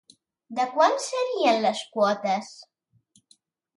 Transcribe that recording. De quant serien les quotes?